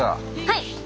はい！